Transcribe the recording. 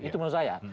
itu menurut saya